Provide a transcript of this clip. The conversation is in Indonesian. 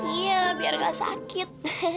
iya biar gak sakit